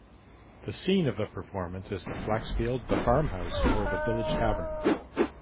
The scene of the performance is the flaxfield, the farmhouse, or the village tavern.